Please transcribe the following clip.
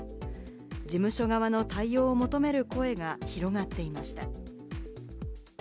事務所側の対応を求める声が広がっていました。